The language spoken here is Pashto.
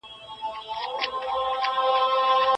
لس منفي نهه؛ يو کېږي.